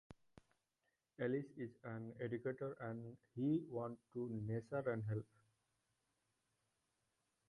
Ellis is an educator and he wanted to nurture and help.